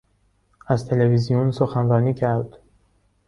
از تلویزیون سخنرانی کرد.